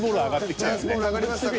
チャンスボール上がりましたか。